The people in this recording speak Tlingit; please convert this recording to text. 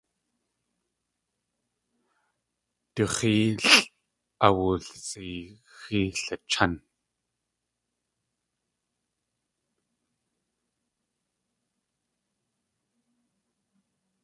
Wé x̲éelʼ wulsʼeexí lichán.